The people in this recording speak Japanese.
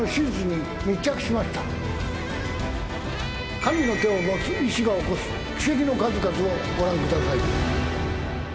神の手を持つ医師が起こす奇跡の数々をご覧ください。